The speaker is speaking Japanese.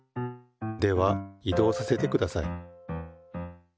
では移動させてください。